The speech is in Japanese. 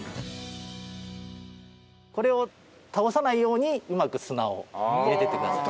これを倒さないようにうまく砂を入れていってください。